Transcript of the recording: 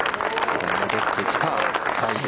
戻ってきた西郷。